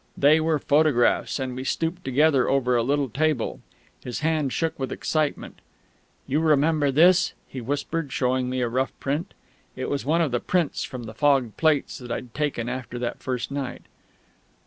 They were photographs, and we stooped together over a little table. His hand shook with excitement. "You remember this?" he whispered, showing me a rough print. It was one of the prints from the fogged plates that I'd taken after that first night.